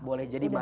boleh jadi marah